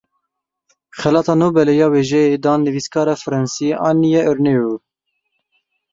Xelata Nobelê ya Wêjeyê dan nivîskara Fransî Annie Ernauxê.